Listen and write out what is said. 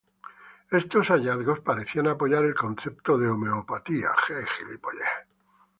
Estos hallazgos parecían apoyar el concepto de homeopatía.